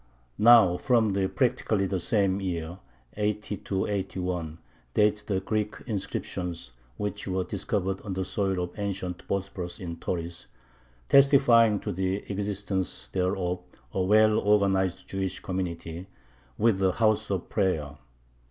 Now from practically the same year (80 81) date the Greek inscriptions which were discovered on the soil of ancient Bosporus in Tauris, testifying to the existence there of a well organized Jewish community, with a house of prayer.